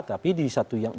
tapi di satu yang